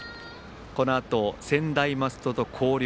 このあと専大松戸と広陵。